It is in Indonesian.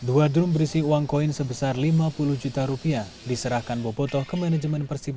dua drum berisi uang koin sebesar lima puluh juta rupiah diserahkan boboto ke manajemen persib